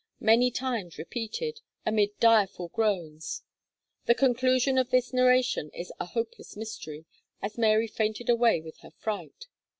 many times repeated, amid direful groans. The conclusion of this narration is a hopeless mystery, as Mary fainted away with her fright.